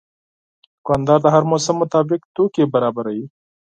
دوکاندار د هر موسم مطابق توکي برابروي.